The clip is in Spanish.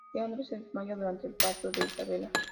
Leandro se desmaya durante el parto de Isabela.